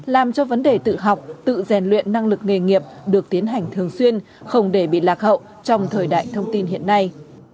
làm cho vấn đề tự học tự rèn luyện năng lực nghề nghiệp được tiến hành thường xuyên không để bị lạc hậu trong thời đại thông tin hiện nay